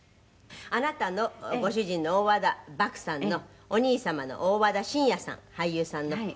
「あなたのご主人の大和田獏さんのお兄様の大和田伸也さん俳優さんの」